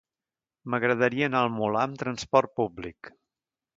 M'agradaria anar al Molar amb trasport públic.